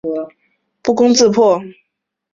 但这些谣传随着华年达被救出而不攻自破。